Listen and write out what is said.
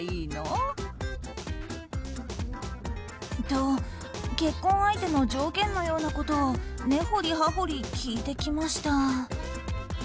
と、結婚相手の条件のようなことを根掘り葉掘り聞いてきました。